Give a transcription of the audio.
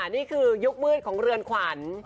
นี่คือยุคมืดของเรือนขวัญ